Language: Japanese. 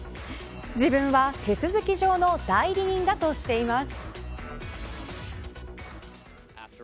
自分は手続き上の代理人だとしています。